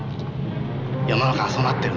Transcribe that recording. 世の中はそうなってる。